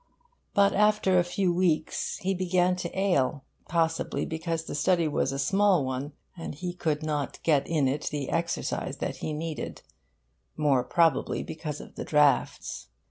But after a few weeks he began to ail; possibly because the study was a small one, and he could not get in it the exercise that he needed; more probably because of the draughts.